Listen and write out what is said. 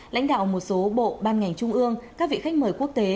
lãnh đạo một số bộ ban ngành trung ương các vị khách mời quốc tế